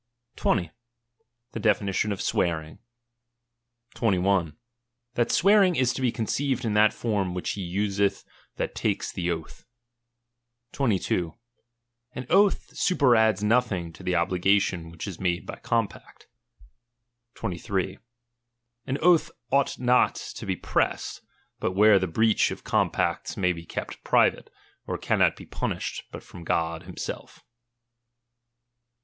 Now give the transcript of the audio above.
20. The definition of swearing. 21. That swearing is to be conceived in that form which he uselh that takes the oath. 23. An oath superadds nothing to the obligation which is made by compact. 23. An oath ought not to be pressed, but where the breach of com pacts may be kepi private, or cannot be punished but from God himself.